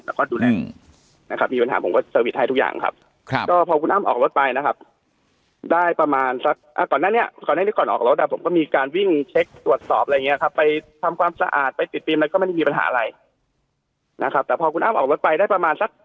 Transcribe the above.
แล้วก็ดูแลนะครับมีปัญหาผมก็ให้ทุกอย่างครับ